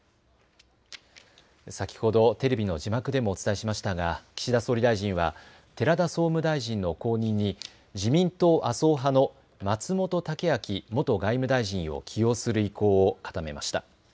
先ほどテレビの字幕でもお伝えしましたが岸田総理大臣は寺田総務大臣の後任に自民党麻生派の松本剛明元外務大臣を起用する意向を固めました。